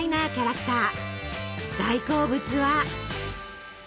大好物は。